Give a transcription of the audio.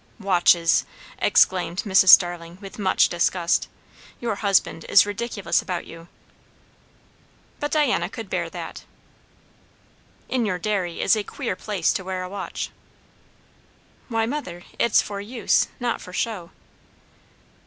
"Watches!" exclaimed Mrs. Starling with much disgust. "Your husband is ridiculous about you." But Diana could bear that. "In your dairy is a queer place to wear a watch." "Why, mother, it's for use, not for show."